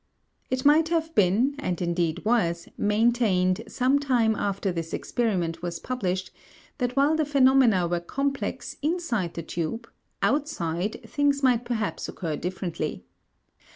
It might have been, and indeed was, maintained, some time after this experiment was published, that while the phenomena were complex inside the tube, outside, things might perhaps occur differently.